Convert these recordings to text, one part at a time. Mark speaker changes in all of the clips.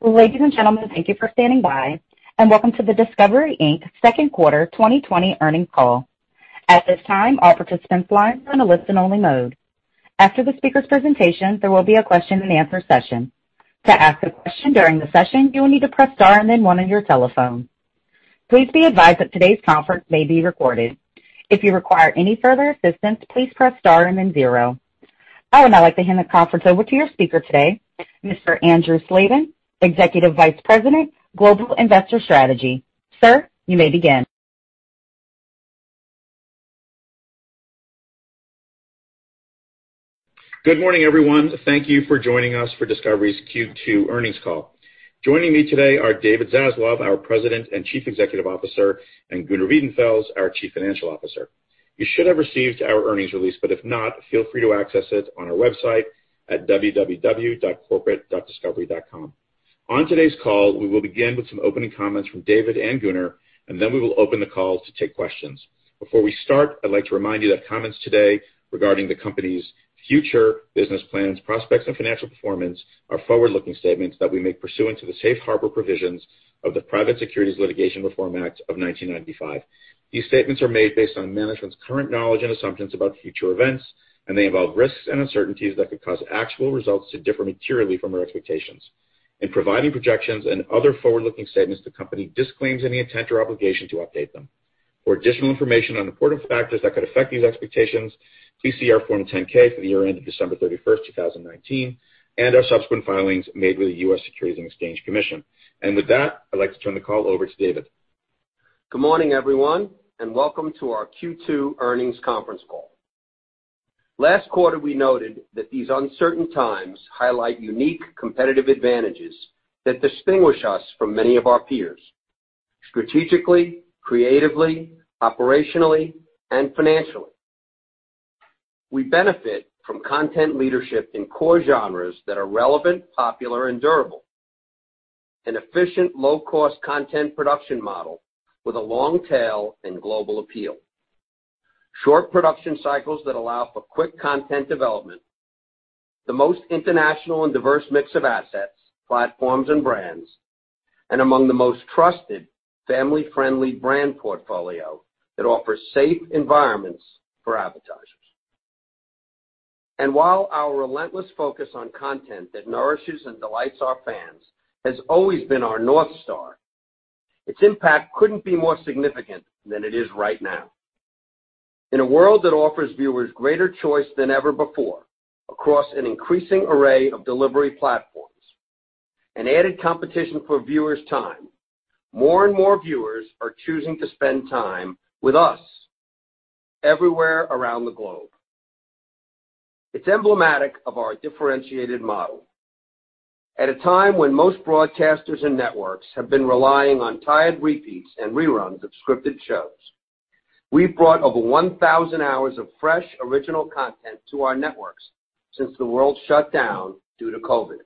Speaker 1: Ladies and gentlemen, thank you for standing by and welcome to the Discovery Inc. Second Quarter 2020 Earnings Call. At this time, all participants' lines are in a listen-only mode. After the speaker's presentation, there will be a question and answer session. To ask a question during the session, you will need to press star then one on your telephone. Please be advised that today's conference may be recorded. If you require any further assistance, please press star then zero. I would now like to hand the conference over to your speaker today, Mr. Andrew Slabin, Executive Vice President, Global Investor Strategy. Sir, you may begin.
Speaker 2: Good morning, everyone. Thank you for joining us for Discovery's Q2 earnings call. Joining me today are David Zaslav, our President and Chief Executive Officer, and Gunnar Wiedenfels, our Chief Financial Officer. You should have received our earnings release, but if not, feel free to access it on our website at www.corporate.discovery.com. On today's call, we will begin with some opening comments from David and Gunnar, and then we will open the call to take questions. Before we start, I'd like to remind you that comments today regarding the company's future business plans, prospects, and financial performance are forward-looking statements that we make pursuant to the safe harbor provisions of the Private Securities Litigation Reform Act of 1995. These statements are made based on management's current knowledge and assumptions about future events, and they involve risks and uncertainties that could cause actual results to differ materially from our expectations. In providing projections and other forward-looking statements, the company disclaims any intent or obligation to update them. For additional information on important factors that could affect these expectations, please see our Form 10-K for the year ended December 31st, 2019, and our subsequent filings made with the U.S. Securities and Exchange Commission. With that, I'd like to turn the call over to David.
Speaker 3: Good morning, everyone, and welcome to our Q2 earnings conference call. Last quarter, we noted that these uncertain times highlight unique competitive advantages that distinguish us from many of our peers, strategically, creatively, operationally, and financially. We benefit from content leadership in core genres that are relevant, popular and durable. An efficient, low-cost content production model with a long tail and global appeal. Short production cycles that allow for quick content development. The most international and diverse mix of assets, platforms, and brands, and among the most trusted family-friendly brand portfolio that offers safe environments for advertisers. While our relentless focus on content that nourishes and delights our fans has always been our North Star, its impact couldn't be more significant than it is right now. In a world that offers viewers greater choice than ever before across an increasing array of delivery platforms and added competition for viewers' time, more and more viewers are choosing to spend time with us everywhere around the globe. It's emblematic of our differentiated model. At a time when most broadcasters and networks have been relying on tired repeats and reruns of scripted shows, we've brought over 1,000 hours of fresh, original content to our networks since the world shut down due to COVID-19.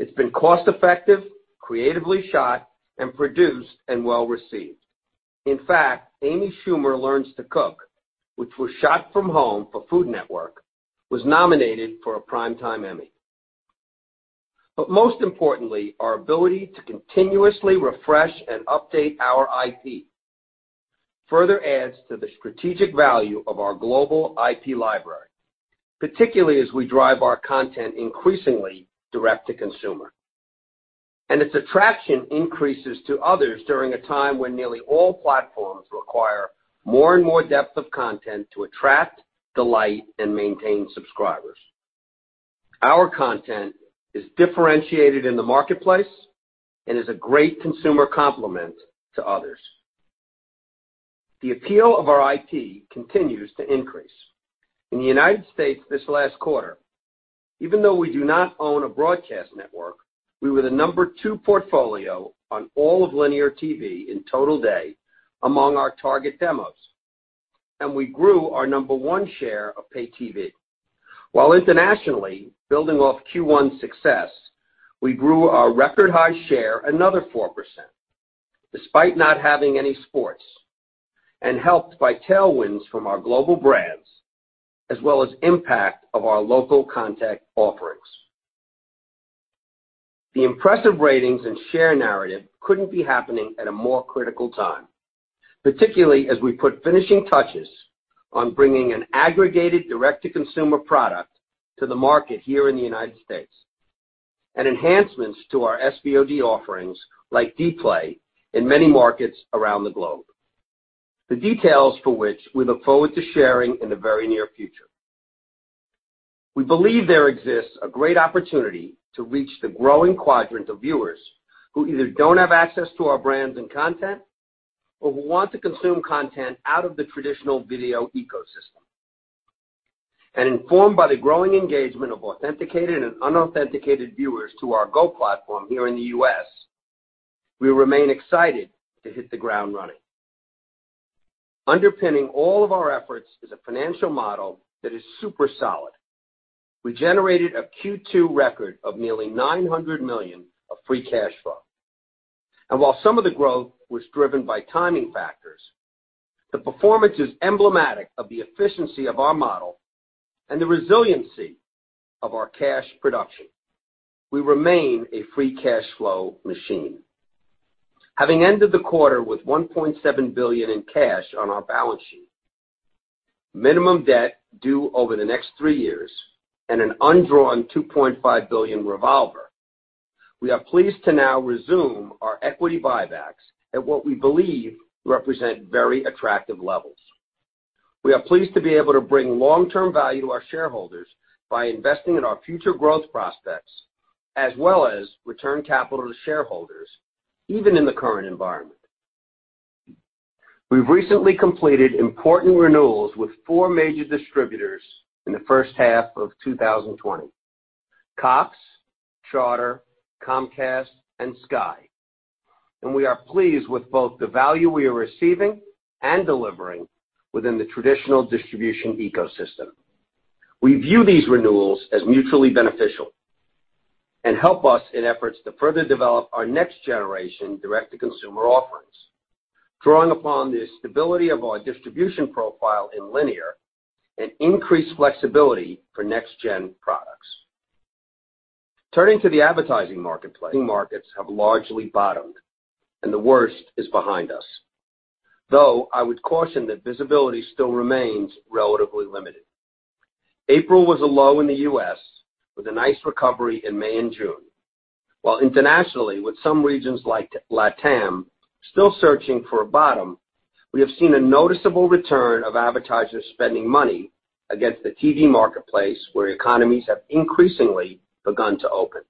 Speaker 3: It's been cost effective, creatively shot and produced, and well received. In fact, Amy Schumer Learns to Cook, which was shot from home for Food Network, was nominated for a Primetime Emmy. Most importantly, our ability to continuously refresh and update our IP further adds to the strategic value of our global IP library, particularly as we drive our content increasingly direct to consumer. Its attraction increases to others during a time when nearly all platforms require more and more depth of content to attract, delight, and maintain subscribers. Our content is differentiated in the marketplace and is a great consumer complement to others. The appeal of our IP continues to increase. In the United States this last quarter, even though we do not own a broadcast network, we were the number two portfolio on all of linear TV in total day among our target demos, and we grew our number one share of paid TV. While internationally, building off Q1's success, we grew our record high share another 4%, despite not having any sports, and helped by tailwinds from our global brands, as well as impact of our local content offerings. The impressive ratings and share narrative couldn't be happening at a more critical time, particularly as we put finishing touches on bringing an aggregated direct-to-consumer product to the market here in the United States, and enhancements to our SVOD offerings like Dplay in many markets around the globe. The details for which we look forward to sharing in the very near future. We believe there exists a great opportunity to reach the growing quadrant of viewers who either don't have access to our brands and content or who want to consume content out of the traditional video ecosystem. Informed by the growing engagement of authenticated and unauthenticated viewers to our GO platform here in the U.S., we remain excited to hit the ground running. Underpinning all of our efforts is a financial model that is super solid. We generated a Q2 record of nearly $900 million of free cash flow. While some of the growth was driven by timing factors, the performance is emblematic of the efficiency of our model and the resiliency of our cash production. We remain a free cash flow machine. Having ended the quarter with $1.7 billion in cash on our balance sheet, minimum debt due over the next three years, and an undrawn $2.5 billion revolver, we are pleased to now resume our equity buybacks at what we believe represent very attractive levels. We are pleased to be able to bring long-term value to our shareholders by investing in our future growth prospects as well as return capital to shareholders, even in the current environment. We've recently completed important renewals with four major distributors in the first half of 2020, Cox, Charter, Comcast, and Sky. We are pleased with both the value we are receiving and delivering within the traditional distribution ecosystem. We view these renewals as mutually beneficial and help us in efforts to further develop our next generation direct-to-consumer offerings, drawing upon the stability of our distribution profile in linear and increased flexibility for next-gen products. Turning to the advertising marketplace, markets have largely bottomed and the worst is behind us. Though I would caution that visibility still remains relatively limited. April was a low in the U.S. with a nice recovery in May and June. While, internationally, with some regions like LATAM still searching for a bottom, we have seen a noticeable return of advertisers spending money against the TV marketplace where economies have increasingly begun to open,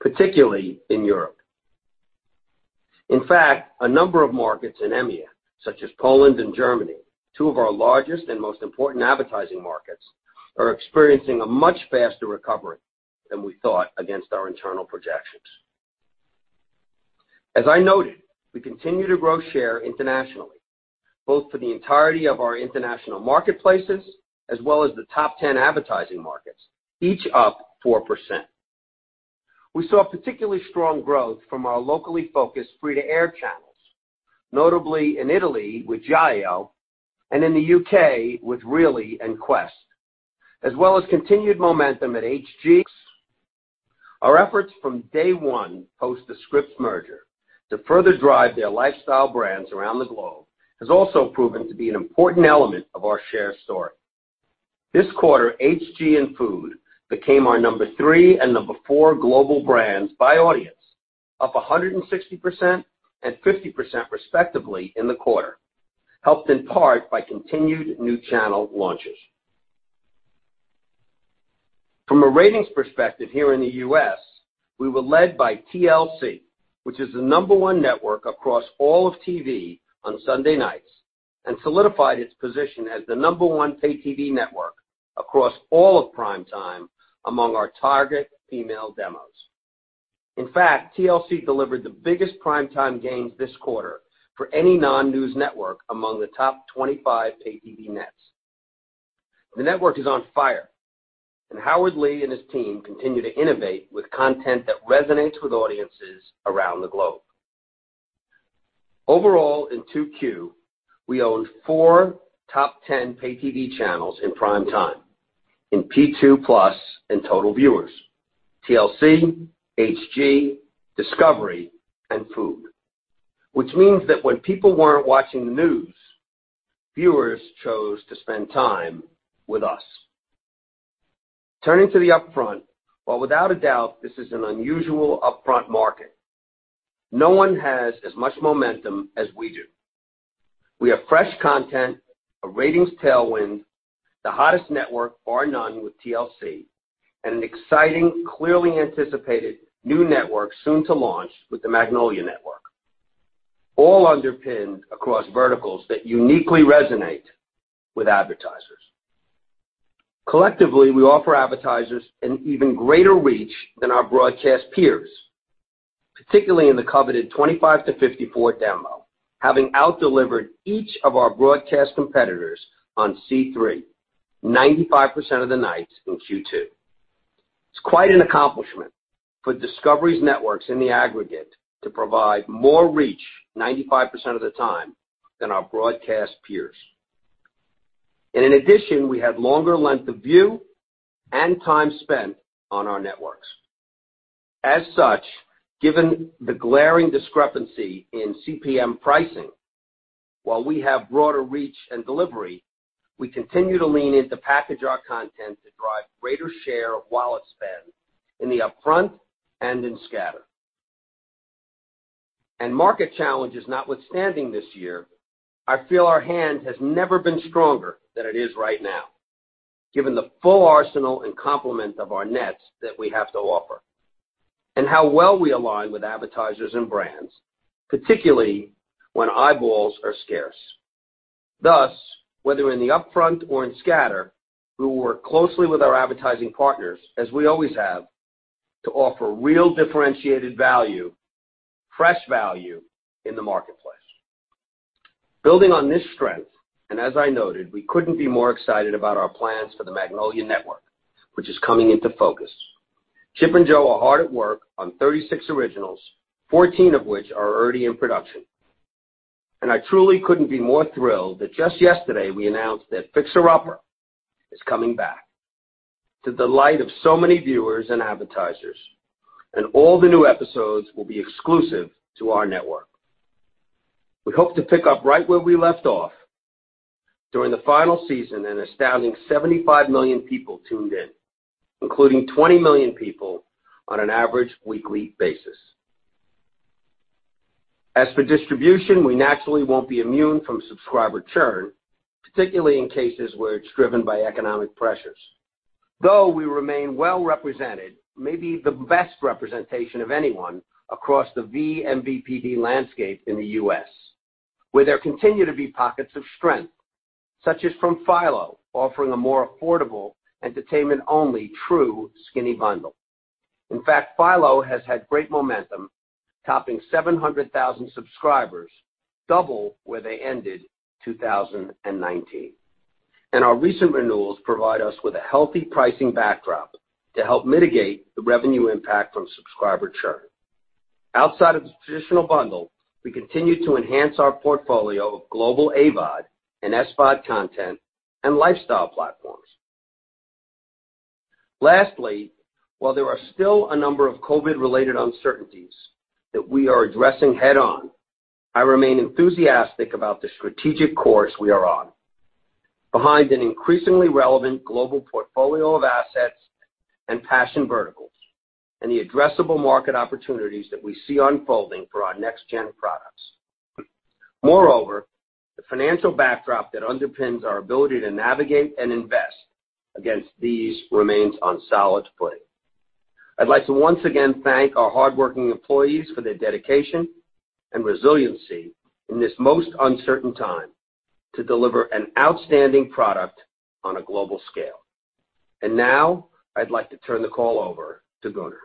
Speaker 3: particularly in Europe. In fact, a number of markets in EMEA, such as Poland and Germany, two of our largest and most important advertising markets, are experiencing a much faster recovery than we thought against our internal projections. As I noted, we continue to grow share internationally, both for the entirety of our international marketplaces as well as the top 10 advertising markets, each up 4%. We saw particularly strong growth from our locally focused free-to-air channels, notably in Italy with Giallo and in the U.K. with Really and Quest, as well as continued momentum at HG. Our efforts from day one post the Scripps merger to further drive their lifestyle brands around the globe has also proven to be an important element of our share story. This quarter, HGTV and Food Network became our number three and number four global brands by audience, up 160% and 50% respectively in the quarter, helped in part by continued new channel launches. From a ratings perspective here in the U.S., we were led by TLC, which is the number one network across all of TV on Sunday nights and solidified its position as the number one pay TV network across all of prime time among our target female demos. In fact, TLC delivered the biggest prime time gains this quarter for any non-news network among the top 25 pay TV nets. The network is on fire, and Howard Lee and his team continue to innovate with content that resonates with audiences around the globe. Overall, in 2Q, we owned 4 top 10 pay TV channels in prime time in P2+ and total viewers, TLC, HGTV, Discovery Channel, and Food Network. Which means that when people weren't watching the news, viewers chose to spend time with us. Turning to the upfront, while without a doubt, this is an unusual upfront market, no one has as much momentum as we do. We have fresh content, a ratings tailwind, the hottest network bar none with TLC, and an exciting, clearly anticipated new network soon to launch with the Magnolia Network, all underpinned across verticals that uniquely resonate with advertisers. Collectively, we offer advertisers an even greater reach than our broadcast peers, particularly in the coveted 25 demo to 54 demo, having out delivered each of our broadcast competitors on C3 95% of the nights in Q2. It's quite an accomplishment for Discovery's networks in the aggregate to provide more reach 95% of the time than our broadcast peers. In addition, we had longer length of view and time spent on our networks. As such, given the glaring discrepancy in CPM pricing, while we have broader reach and delivery, we continue to lean in to package our content to drive greater share of wallet spend in the upfront and in scatter. Market challenges notwithstanding this year, I feel our hand has never been stronger than it is right now, given the full arsenal and complement of our nets that we have to offer and how well we align with advertisers and brands, particularly when eyeballs are scarce. Thus, whether in the upfront or in scatter, we will work closely with our advertising partners as we always have to offer real differentiated value, fresh value in the marketplace. Building on this strength, as I noted, we couldn't be more excited about our plans for the Magnolia Network, which is coming into focus. Chip and Jo are hard at work on 36 originals, 14 of which are already in production. I truly couldn't be more thrilled that just yesterday we announced that "Fixer Upper" is coming back to the delight of so many viewers and advertisers, and all the new episodes will be exclusive to our network. We hope to pick up right where we left off. During the final season, an astounding 75 million people tuned in, including 20 million people on an average weekly basis. As for distribution, we naturally won't be immune from subscriber churn, particularly in cases where it's driven by economic pressures. Though we remain well-represented, maybe the best representation of anyone across the vMVPD landscape in the U.S., where there continue to be pockets of strength, such as from Philo, offering a more affordable entertainment-only true skinny bundle. In fact, Philo has had great momentum, topping 700,000 subscribers, double where they ended 2019. Our recent renewals provide us with a healthy pricing backdrop to help mitigate the revenue impact from subscriber churn. Outside of the traditional bundle, we continue to enhance our portfolio of global AVOD and SVOD content and lifestyle platforms. Lastly, while there are still a number of COVID-19-related uncertainties that we are addressing head-on, I remain enthusiastic about the strategic course we are on, behind an increasingly relevant global portfolio of assets and passion verticals, and the addressable market opportunities that we see unfolding for our next gen products. Moreover, the financial backdrop that underpins our ability to navigate and invest against these remains on solid footing. I'd like to once again thank our hardworking employees for their dedication and resiliency in this most uncertain time to deliver an outstanding product on a global scale. Now I'd like to turn the call over to Gunnar.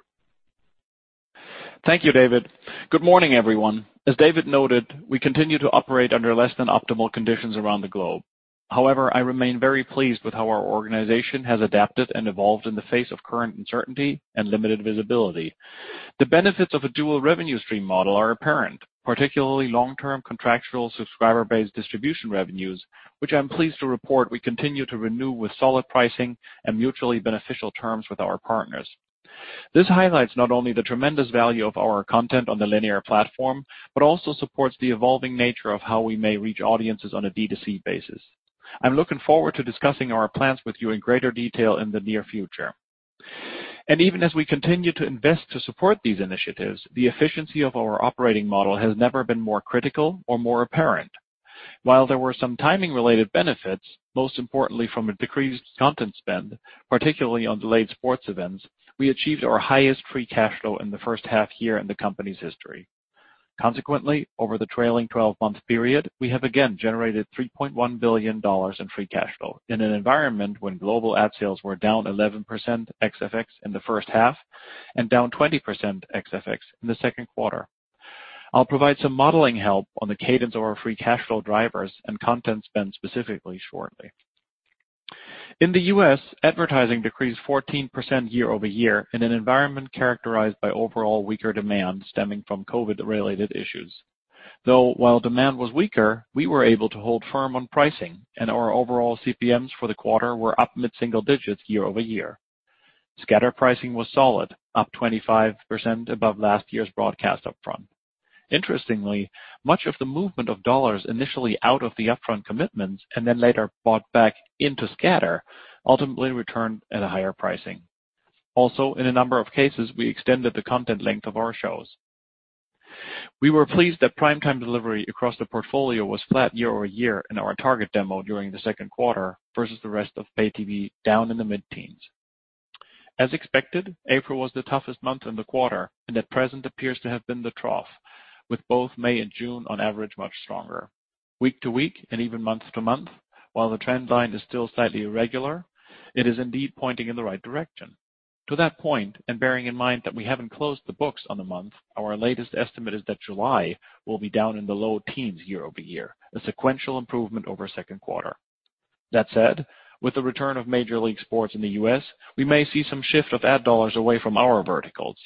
Speaker 4: Thank you, David. Good morning, everyone. As David noted, we continue to operate under less than optimal conditions around the globe. However, I remain very pleased with how our organization has adapted and evolved in the face of current uncertainty and limited visibility. The benefits of a dual revenue stream model are apparent, particularly long-term contractual subscriber-based distribution revenues, which I'm pleased to report we continue to renew with solid pricing and mutually beneficial terms with our partners. This highlights not only the tremendous value of our content on the linear platform, but also supports the evolving nature of how we may reach audiences on a D2C basis. I'm looking forward to discussing our plans with you in greater detail in the near future. Even as we continue to invest to support these initiatives, the efficiency of our operating model has never been more critical or more apparent. While there were some timing-related benefits, most importantly from a decreased content spend, particularly on delayed sports events, we achieved our highest free cash flow in the first half year in the company's history. Consequently, over the trailing 12-month period, we have again generated $3.1 billion in free cash flow in an environment when global ad sales were down 11% ex FX in the first half and down 20% ex FX in the second quarter. I'll provide some modeling help on the cadence of our free cash flow drivers and content spend specifically shortly. In the U.S., advertising decreased 14% year-over-year in an environment characterized by overall weaker demand stemming from COVID-related issues. Though, while demand was weaker, we were able to hold firm on pricing, and our overall CPMs for the quarter were up mid-single digits year-over-year. Scatter pricing was solid, up 25% above last year's broadcast upfront. Interestingly, much of the movement of dollars initially out of the upfront commitments and then later bought back into scatter ultimately returned at a higher pricing. Also, in a number of cases, we extended the content length of our shows. We were pleased that primetime delivery across the portfolio was flat year-over-year in our target demo during the second quarter versus the rest of pay TV down in the mid-teens. As expected, April was the toughest month in the quarter and at present appears to have been the trough, with both May and June on average much stronger. Week-to-week and even month-to-month, while the trend line is still slightly irregular, it is indeed pointing in the right direction. To that point, and bearing in mind that we haven't closed the books on the month, our latest estimate is that July will be down in the low teens year-over-year, a sequential improvement over second quarter. That said, with the return of major league sports in the U.S., we may see some shift of ad dollars away from our verticals.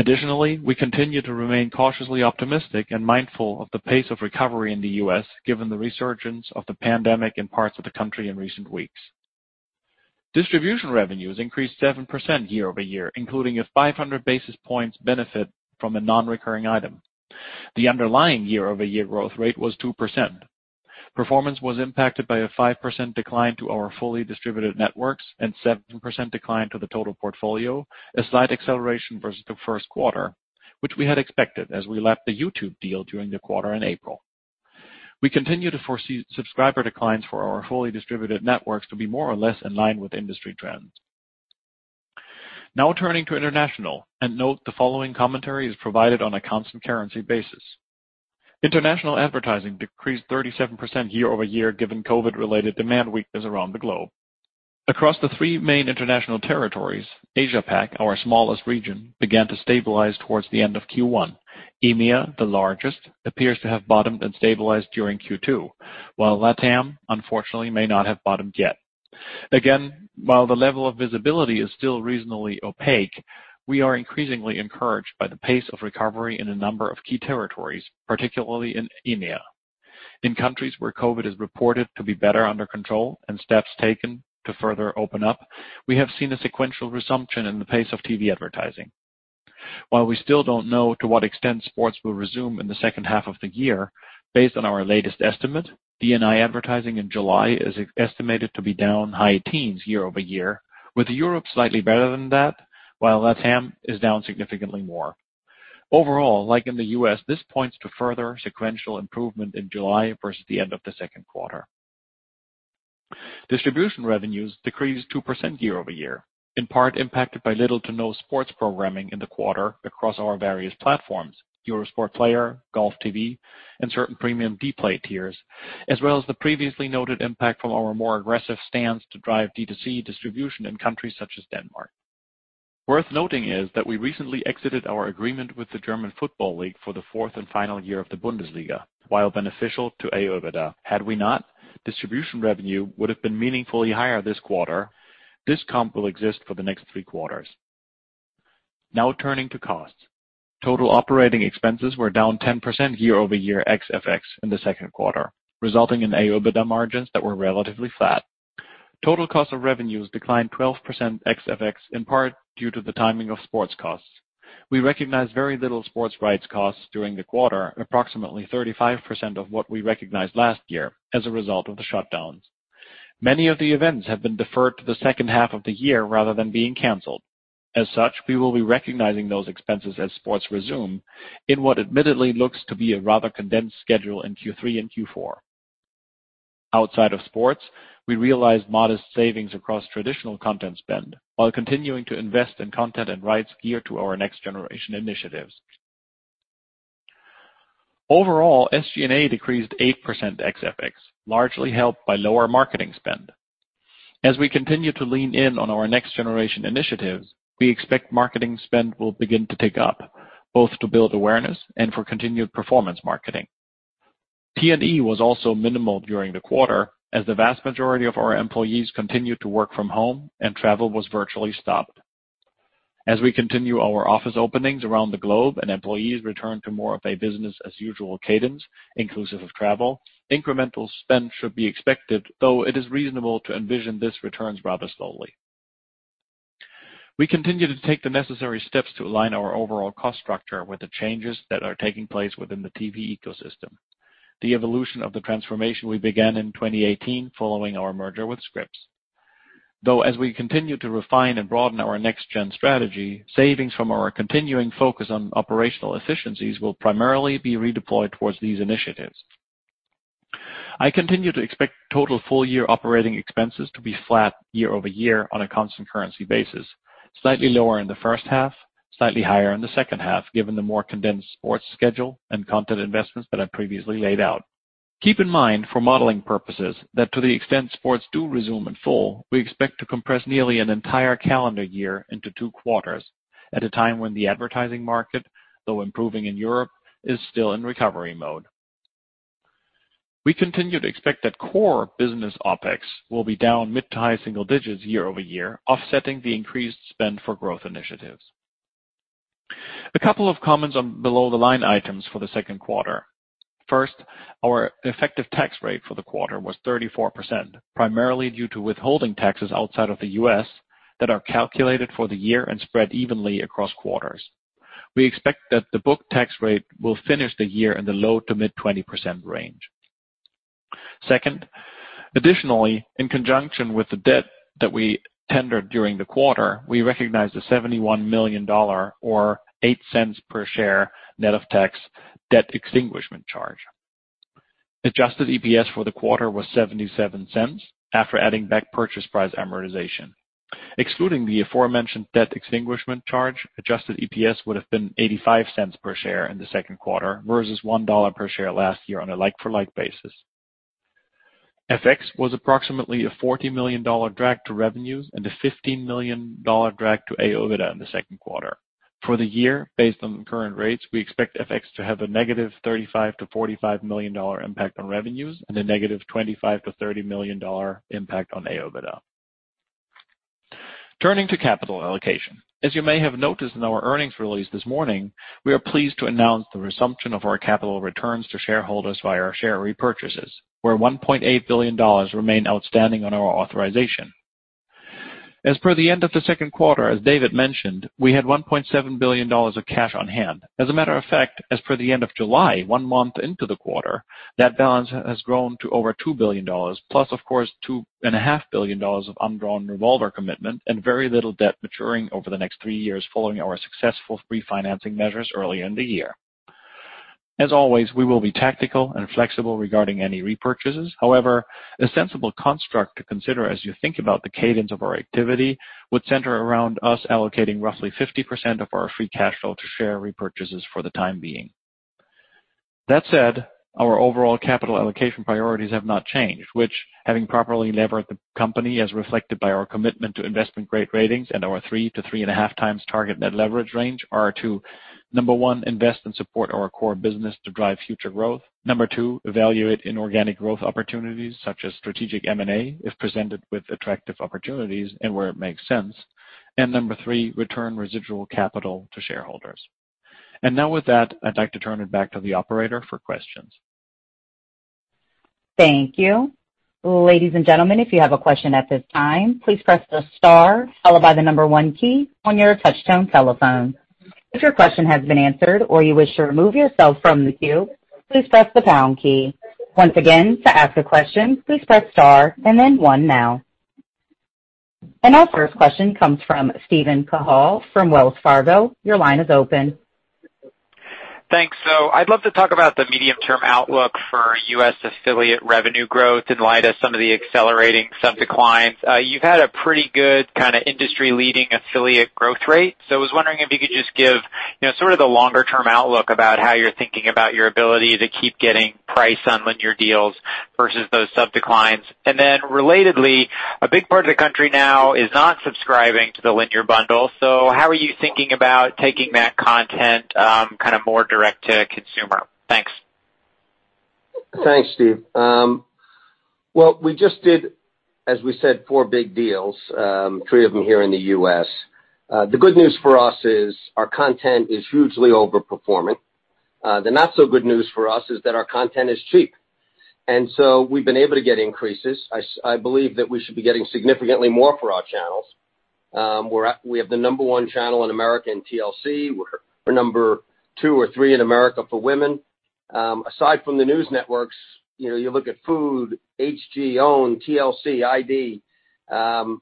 Speaker 4: Additionally, we continue to remain cautiously optimistic and mindful of the pace of recovery in the U.S., given the resurgence of the pandemic in parts of the country in recent weeks. Distribution revenues increased 7% year-over-year, including a 500 basis points benefit from a non-recurring item. The underlying year-over-year growth rate was 2%. Performance was impacted by a 5% decline to our fully distributed networks and 7% decline to the total portfolio, a slight acceleration versus the first quarter, which we had expected as we left the YouTube deal during the quarter in April. We continue to foresee subscriber declines for our fully distributed networks to be more or less in line with industry trends. Now turning to international, note the following commentary is provided on a constant currency basis. International advertising decreased 37% year-over-year given COVID-related demand weakness around the globe. Across the three main international territories, Asia-Pac, our smallest region, began to stabilize towards the end of Q1. EMEA, the largest, appears to have bottomed and stabilized during Q2, while LATAM, unfortunately, may not have bottomed yet. I guess, while the level of visibility is still reasonably opaque, we are increasingly encouraged by the pace of recovery in a number of key territories, particularly in EMEA. In countries where COVID is reported to be better under control and steps taken to further open up, we have seen a sequential resumption in the pace of TV advertising. While we still don't know to what extent sports will resume in the second half of the year, based on our latest estimate, DNI advertising in July is estimated to be down high teens year-over-year, with Europe slightly better than that, while LATAM is down significantly more. Overall, like in the U.S., this points to further sequential improvement in July versus the end of the second quarter. Distribution revenues decreased 2% year-over-year, in part impacted by little to no sports programming in the quarter across our various platforms, Eurosport Player, GOLFTV, and certain premium Dplay tiers, as well as the previously noted impact from our more aggressive stance to drive D2C distribution in countries such as Denmark. Worth noting is that we recently exited our agreement with the German Football League for the fourth and final year of the Bundesliga. While beneficial to OIBDA, had we not, distribution revenue would have been meaningfully higher this quarter. This comp will exist for the next three quarters. Now, turning to costs. Total operating expenses were down 10% year-over-year ex FX in the second quarter, resulting in OIBDA margins that were relatively flat. Total cost of revenues declined 12% ex FX, in part due to the timing of sports costs. We recognized very little sports rights costs during the quarter, approximately 35% of what we recognized last year as a result of the shutdowns. Many of the events have been deferred to the second half of the year rather than being canceled. As such, we will be recognizing those expenses as sports resume in what admittedly looks to be a rather condensed schedule in Q3 and Q4. Outside of sports, we realized modest savings across traditional content spend while continuing to invest in content and rights geared to our next generation initiatives. Overall, SG&A decreased 8% ex FX, largely helped by lower marketing spend. As we continue to lean in on our next generation initiatives, we expect marketing spend will begin to tick up, both to build awareness and for continued performance marketing. T&E was also minimal during the quarter as the vast majority of our employees continued to work from home and travel was virtually stopped. As we continue our office openings around the globe and employees return to more of a business as usual cadence, inclusive of travel, incremental spend should be expected, though it is reasonable to envision this returns rather slowly. We continue to take the necessary steps to align our overall cost structure with the changes that are taking place within the TV ecosystem, the evolution of the transformation we began in 2018 following our merger with Scripps. Though, as we continue to refine and broaden our next gen strategy, savings from our continuing focus on operational efficiencies will primarily be redeployed towards these initiatives. I continue to expect total full year operating expenses to be flat year-over-year on a constant currency basis, slightly lower in the first half, slightly higher in the second half, given the more condensed sports schedule and content investments that I previously laid out. Keep in mind, for modeling purposes, that to the extent sports do resume in full, we expect to compress nearly an entire calendar year into two quarters at a time when the advertising market, though improving in Europe, is still in recovery mode. We continue to expect that core business OpEx will be down mid to high single digits year-over-year, offsetting the increased spend for growth initiatives. A couple of comments on below-the-line items for the second quarter. First, our effective tax rate for the quarter was 34%, primarily due to withholding taxes outside of the U.S. that are calculated for the year and spread evenly across quarters. We expect that the book tax rate will finish the year in the low to mid-20% range. Second, additionally, in conjunction with the debt that we tendered during the quarter, we recognized a $71 million, or $0.08 per share net of tax, debt extinguishment charge. Adjusted EPS for the quarter was $0.77 after adding back purchase price amortization. Excluding the aforementioned debt extinguishment charge, adjusted EPS would have been $0.85 per share in the second quarter versus $1 per share last year on a like-for-like basis. FX was approximately a $40 million drag to revenues and a $15 million drag to OIBDA in the second quarter. For the year, based on current rates, we expect FX to have a negative $35 million-$45 million impact on revenues and a negative $25 million-$30 million impact on OIBDA. Turning to capital allocation. As you may have noticed in our earnings release this morning, we are pleased to announce the resumption of our capital returns to shareholders via our share repurchases, where $1.8 billion remain outstanding on our authorization. As per the end of the second quarter, as David mentioned, we had $1.7 billion of cash on hand. As a matter of fact, as per the end of July, one month into the quarter, that balance has grown to over $2 billion, plus, of course, $2.5 billion of undrawn revolver commitment and very little debt maturing over the next three years following our successful refinancing measures earlier in the year. As always, we will be tactical and flexible regarding any repurchases. However, a sensible construct to consider as you think about the cadence of our activity would center around us allocating roughly 50% of our free cash flow to share repurchases for the time being. That said, our overall capital allocation priorities have not changed, which having properly levered the company as reflected by our commitment to investment grade ratings and our three to three and a half times target net leverage range are to, number one, invest and support our core business to drive future growth. Number two, evaluate inorganic growth opportunities such as strategic M&A if presented with attractive opportunities and where it makes sense. And number three, return residual capital to shareholders. Now with that, I'd like to turn it back to the operator for questions.
Speaker 1: Thank you. Ladies and gentlemen, if you have a question at this time, please press the star followed by the number one key on your touchtone telephone. If your question has been answered or you wish to remove yourself from the queue, please press the pound key. Once again, to ask a question, please press star and then one now. Our first question comes from Steven Cahall from Wells Fargo. Your line is open.
Speaker 5: Thanks. I'd love to talk about the medium-term outlook for U.S. affiliate revenue growth in light of some of the accelerating sub declines. You've had a pretty good kind of industry-leading affiliate growth rate. I was wondering if you could just give sort of the longer-term outlook about how you're thinking about your ability to keep getting price on linear deals versus those sub declines. Then relatedly, a big part of the country now is not subscribing to the linear bundle. How are you thinking about taking that content, kind of more direct to consumer? Thanks.
Speaker 3: Thanks, Steven. Well we just did, as we said, four big deals, three of them here in the U.S. The good news for us is our content is hugely overperforming. The not so good news for us is that our content is cheap, and so we've been able to get increases. I believe that we should be getting significantly more for our channels. We have the number one channel in America in TLC. We're number two or three in America for women. Aside from the news networks, you look at Food, HG, OWN, TLC, ID. Our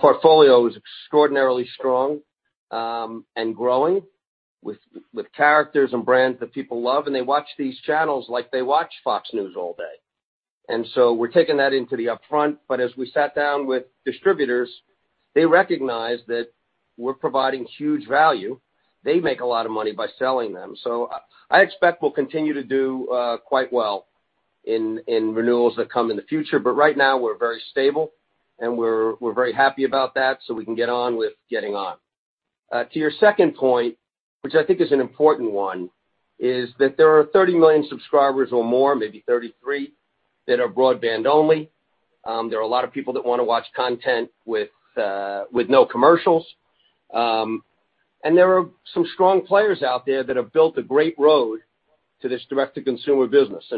Speaker 3: portfolio is extraordinarily strong, and growing with characters and brands that people love, and they watch these channels like they watch Fox News all day. We're taking that into the upfront, but as we sat down with distributors, they recognized that we're providing huge value. They make a lot of money by selling them. I expect we'll continue to do quite well in renewals that come in the future. Right now we're very stable and we're very happy about that, we can get on with getting on. To your second point, which I think is an important one, is that there are 30 million subscribers or more, maybe 33 million, that are broadband only. There are a lot of people that want to watch content with no commercials. There are some strong players out there that have built a great road to this direct-to-consumer business,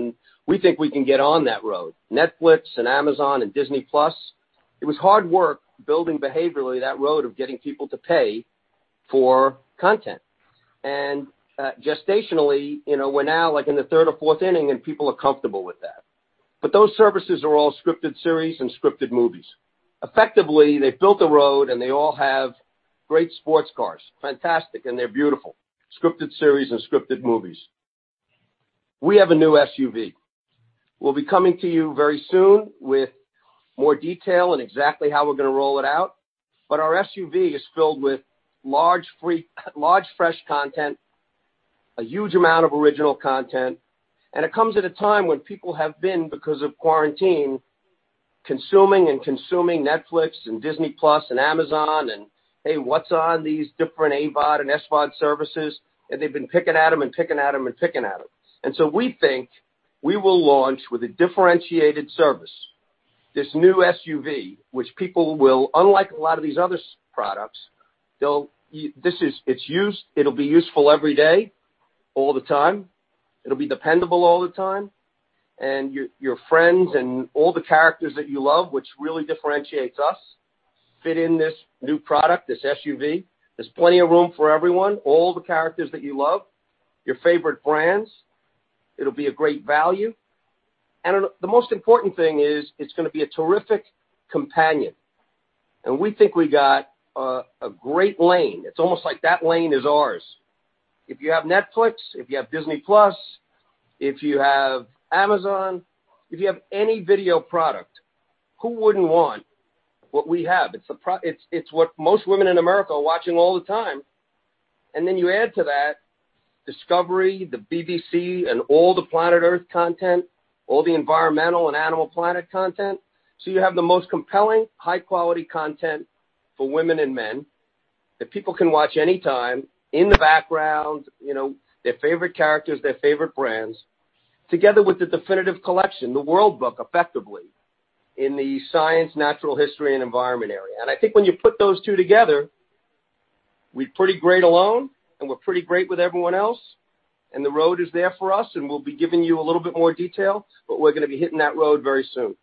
Speaker 3: we think we can get on that road. Netflix, Amazon, Disney+, it was hard work building behaviorally that road of getting people to pay for content. Gestationally, we're now like in the third or fourth inning and people are comfortable with that. Those services are all scripted series and scripted movies. Effectively, they've built a road and they all have great sports cars. Fantastic, and they're beautiful. Scripted series and scripted movies. We have a new SUV. We'll be coming to you very soon with more detail on exactly how we're going to roll it out. Our SUV is filled with large, fresh content, a huge amount of original content, and it comes at a time when people have been, because of quarantine, consuming and consuming Netflix and Disney+ and Amazon and, hey, what's on these different AVOD and SVOD services, and they've been picking at them and picking at them. We think we will launch with a differentiated service, this new SUV, unlike a lot of these other products, it'll be useful every day, all the time. It'll be dependable all the time. Your friends and all the characters that you love, which really differentiates us, fit in this new product, this SUV. There's plenty of room for everyone, all the characters that you love, your favorite brands. It'll be a great value. The most important thing is it's going to be a terrific companion, and we think we got a great lane. So it's almost like that lane is ours. If you have Netflix, if you have Disney+, if you have Amazon, if you have any video product, who wouldn't want what we have? It's what most women in America are watching all the time. Then you add to that Discovery, the BBC, and all the Planet Earth content, all the environmental and Animal Planet content. You have the most compelling, high-quality content for women and men that people can watch anytime in the background, their favorite characters, their favorite brands, together with the definitive collection, the World Book, effectively, in the science, natural history, and environment area. I think when you put those two together, we're pretty great alone, and we're pretty great with everyone else, and the road is there for us, and we'll be giving you a little bit more detail, but we're going to be hitting that road very soon.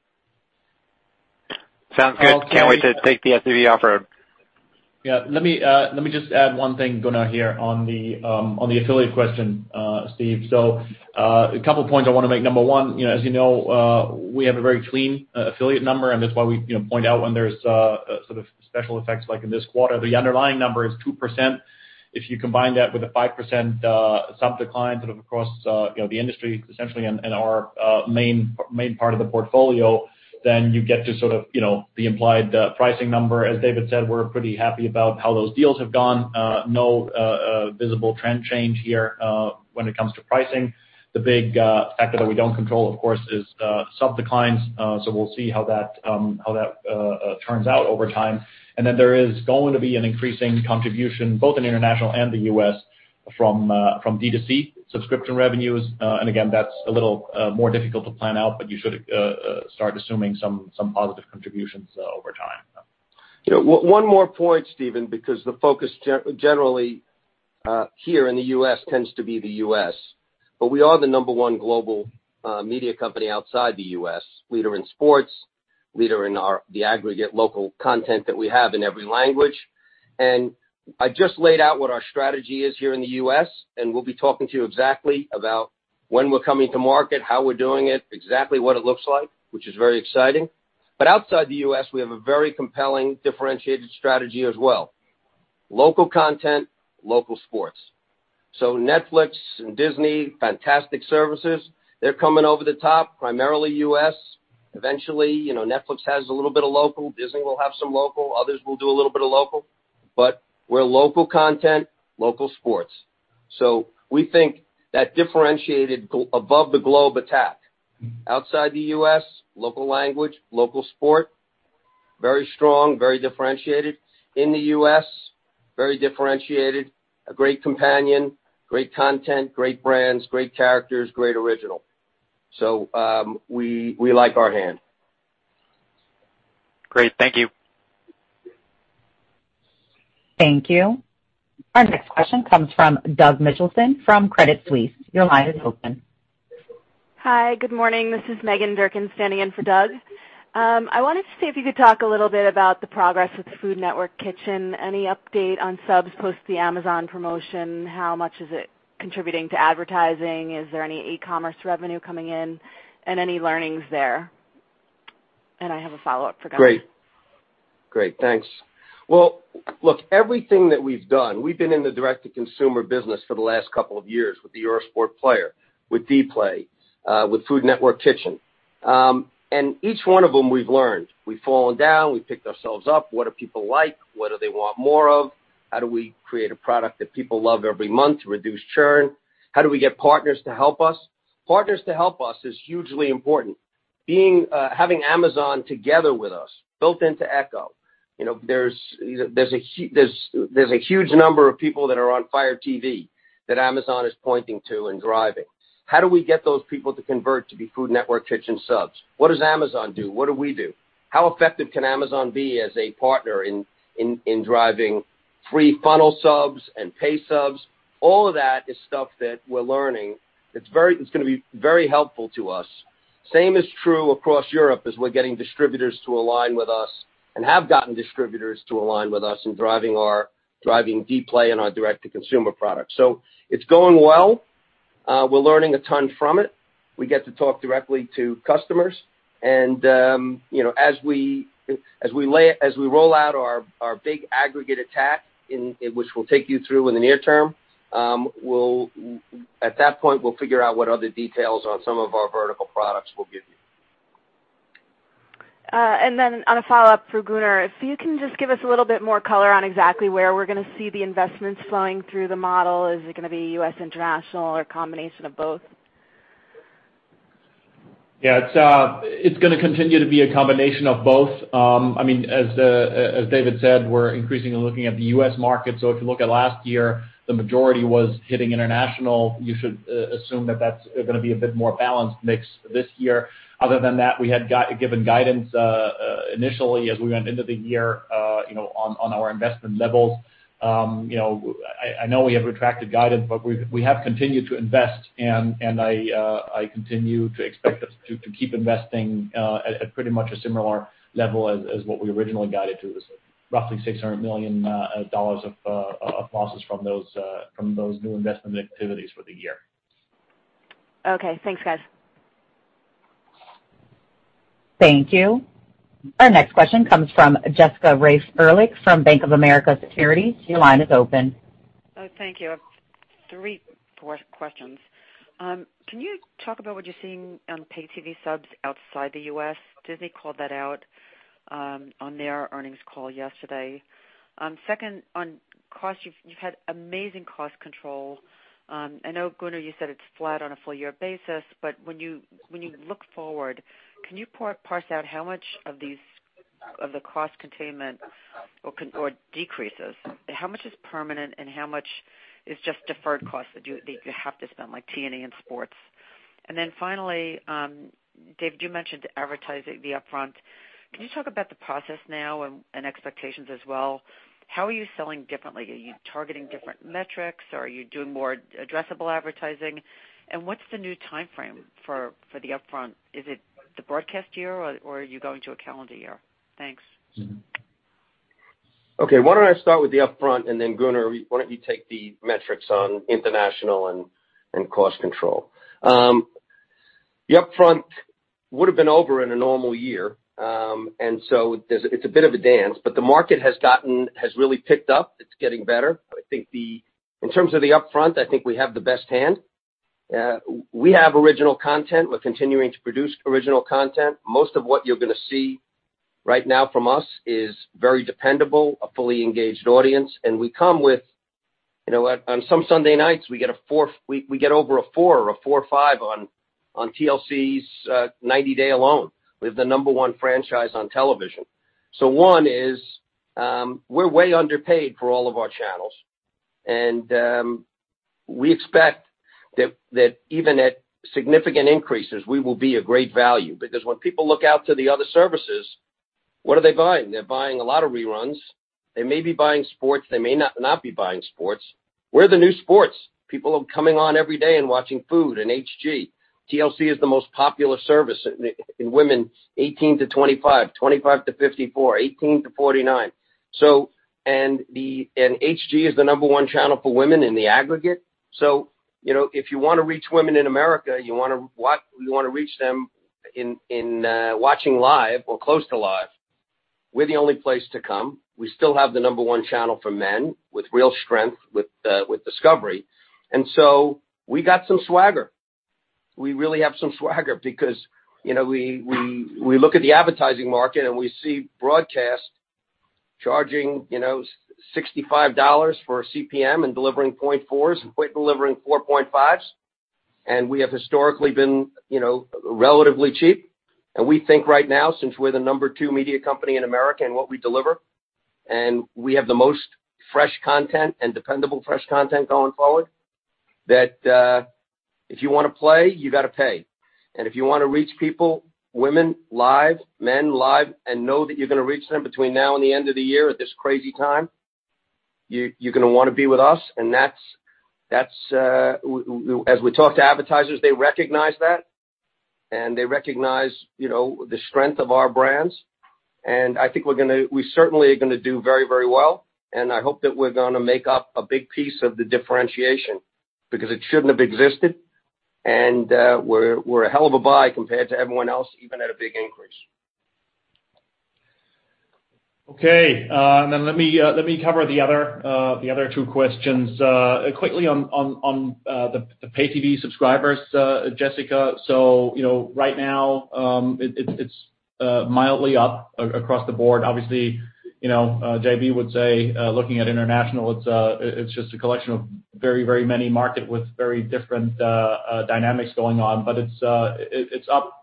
Speaker 5: Sounds good. Can't wait to take the SUV off-road.
Speaker 4: Yeah, let me just add one thing, Gunnar, here on the affiliate question, Steven. A couple points I want to make. Number one, as you know, we have a very clean affiliate number, and that's why we point out when there's sort of special effects like in this quarter. The underlying number is 2%. If you combine that with a 5% sub decline sort of across the industry, essentially in our main part of the portfolio, then you get to sort of the implied pricing number. As David said, we're pretty happy about how those deals have gone. No visible trend change here when it comes to pricing. The big factor that we don't control, of course, is sub declines. We'll see how that turns out over time. Then there is going to be an increasing contribution both in international and the U.S. from D2C subscription revenues. Again, that's a little more difficult to plan out, but you should start assuming some positive contributions over time.
Speaker 3: One more point, Steven, because the focus generally here in the U.S. tends to be the U.S. We are the number one global media company outside the U.S. Leader in sports, leader in the aggregate local content that we have in every language. I just laid out what our strategy is here in the U.S., and we'll be talking to you exactly about when we're coming to market, how we're doing it, exactly what it looks like, which is very exciting. But outside the U.S., we have a very compelling differentiated strategy as well. Local content, local sports. So, Netflix and Disney, fantastic services. They're coming over the top, primarily U.S. Eventually, Netflix has a little bit of local. Disney will have some local. Others will do a little bit of local. But we're local content, local sports. We think that differentiated above the globe attack. Outside the U.S., local language, local sport, very strong, very differentiated. In the U.S., very differentiated, a great companion, great content, great brands, great characters, great original. We like our hand.
Speaker 5: Great. Thank you.
Speaker 1: Thank you. Our next question comes from Doug Mitchelson from Credit Suisse. Your line is open.
Speaker 6: Hi, good morning. This is Meghan Durkin standing in for Doug. I wanted to see if you could talk a little bit about the progress with Food Network Kitchen. Any update on subs post the Amazon promotion? How much is it contributing to advertising? Is there any e-commerce revenue coming in and any learnings there? I have a follow-up for Gunnar.
Speaker 3: Great. Thanks. Well, look, everything that we've done, we've been in the direct-to-consumer business for the last couple of years with the Eurosport Player, with Dplay, with Food Network Kitchen. Each one of them we've learned. We've fallen down, we've picked ourselves up. What do people like? What do they want more of? How do we create a product that people love every month to reduce churn? How do we get partners to help us? Partners to help us is hugely important. Having Amazon together with us built into Echo. There's a huge number of people that are on Fire TV that Amazon is pointing to and driving. How do we get those people to convert to be Food Network Kitchen subs? What does Amazon do? What do we do? How effective can Amazon be as a partner in driving free funnel subs and pay subs? All of that is stuff that we're learning. It's going to be very helpful to us. Same is true across Europe as we're getting distributors to align with us and have gotten distributors to align with us in driving Dplay and our direct-to-consumer products. So, it's going well. We're learning a ton from it. We get to talk directly to customers. As we roll out our big aggregate attack, which we'll take you through in the near term, at that point, we'll figure out what other details on some of our vertical products we'll give you.
Speaker 6: Then on a follow-up for Gunnar, if you can just give us a little bit more color on exactly where we're going to see the investments flowing through the model. Is it going to be U.S., international, or a combination of both?
Speaker 4: Yeah. It's going to continue to be a combination of both. I mean, as David said, we're increasingly looking at the U.S. market. If you look at last year, the majority was hitting international. You should assume that that's going to be a bit more balanced mix this year. Other than that, we had given guidance initially as we went into the year on our investment levels. I know we have retracted guidance, but we have continued to invest, and I continue to expect us to keep investing at pretty much a similar level as what we originally guided to. It was roughly $600 million of losses from those new investment activities for the year.
Speaker 6: Okay. Thanks, guys.
Speaker 1: Thank you. Our next question comes from Jessica Reif Ehrlich from Bank of America Securities. Your line is open.
Speaker 7: Thank you. I have three, four questions. Can you talk about what you're seeing on pay TV subs outside the U.S.? Disney called that out on their earnings call yesterday. Second, on cost, you've had amazing cost control. I know, Gunnar, you said it's flat on a full-year basis, but when you look forward, can you parse out how much of the cost containment or decreases, how much is permanent and how much is just deferred costs that you have to spend, like T&E and sports? Finally, David, you mentioned advertising the upfront. Can you talk about the process now and expectations as well? How are you selling differently? Are you targeting different metrics or are you doing more addressable advertising? What's the new timeframe for the upfront? Is it the broadcast year or are you going to a calendar year? Thanks.
Speaker 3: Okay. Why don't I start with the upfront, and then Gunnar, why don't you take the metrics on international and cost control? The upfront would've been over in a normal year. It's a bit of a dance, but the market has really picked up. It's getting better. I think in terms of the upfront, I think we have the best hand. We have original content. We're continuing to produce original content. Most of what you're going to see right now from us is very dependable, a fully engaged audience, on some Sunday nights, we get over a four or a five on TLC's 90 Day alone. We have the number one franchise on television. One is, we're way underpaid for all of our channels. We expect that even at significant increases, we will be a great value because when people look out to the other services, what are they buying? They're buying a lot of reruns. They may be buying sports, they may not be buying sports. We're the new sports. People are coming on every day and watching Food Network and HGTV. TLC is the most popular service in women 18 to 25 to 54, 18 to 49. HGTV is the number one channel for women in the aggregate. So, if you want to reach women in America, you want to reach them in watching live or close to live, we're the only place to come. We still have the number one channel for men with real strength with Discovery. We got some swagger. We really have some swagger because we look at the advertising market, we see broadcast charging $65 for a CPM and delivering 0.4s and delivering 4.5s. We have historically been relatively cheap. We think right now, since we're the number two media company in America in what we deliver, and we have the most fresh content and dependable fresh content going forward, that if you want to play, you got to pay. If you want to reach people, women live, men live, and know that you're going to reach them between now and the end of the year at this crazy time, you're going to want to be with us. As we talk to advertisers, they recognize that, and they recognize the strength of our brands. I think we certainly are going to do very well, and I hope that we're going to make up a big piece of the differentiation because it shouldn't have existed, and we're a hell of a buy compared to everyone else, even at a big increase.
Speaker 4: Okay. Let me cover the other two questions. Quickly on the pay TV subscribers, Jessica. Right now, it's mildly up across the board. Obviously, J.B. would say, looking at international, it's just a collection of very many markets with very different dynamics going on. It's up